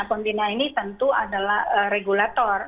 pembina ini tentu adalah regulator